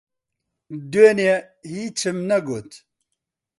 دوێنێ، ھیچم نەگوت.